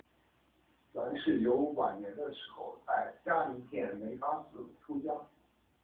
阮氏游晚年的时候在嘉林县梅发寺出家。